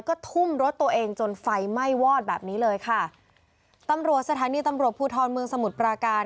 ก็ทุ่มรถตัวเองจนไฟไหม้วอดแบบนี้เลยค่ะตำรวจสถานีตำรวจภูทรเมืองสมุทรปราการ